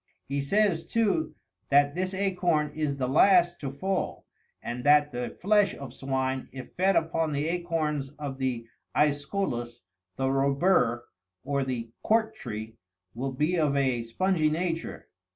He says, too, that this acorn is the last to fall, and that the flesh of swine, if fed upon the acorns of the Eesculus, the robur, or the cork tree, will be of a spongy nature.